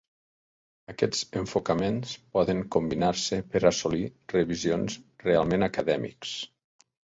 Aquests enfocaments poden combinar-se per assolir revisions realment acadèmics.